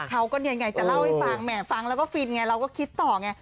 เขาก็เนี่ยไงจะเล่าให้ฟังแหม่ฟังแล้วก็ฟินไงเราก็คิดต่อไง